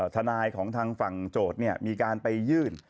ทนายของทางฝั่งโจทย์มีการไปยื่น